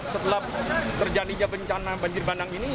setelah terjadinya bencana banjir bandang ini